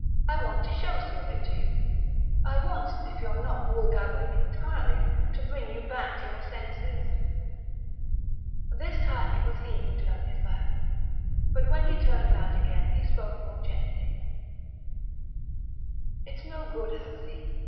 I want to show some of it to you. I want, if you're not wool gathering entirely, to bring you back to your senses." This time it was he who turned his back. But when he turned round again he spoke more gently. "It's no good, Elsie.